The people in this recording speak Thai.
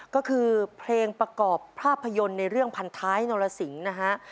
ก็คือเพลงประกอบภาพยนตร์ในเรื่องพันท้ายนรสิงห์นะฮะ